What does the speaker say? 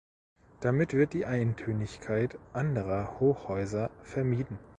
Damit wird die Eintönigkeit anderer Hochhäuser vermieden.